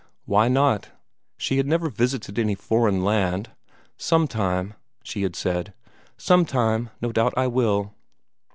Why not? She had never visited any foreign land. "Sometime," she had said, "sometime, no doubt I will."